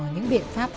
những biện pháp